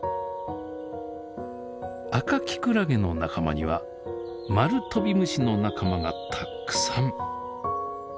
アカキクラゲの仲間にはマルトビムシの仲間がたくさん。